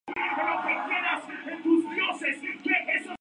Fuente: Anales de la República.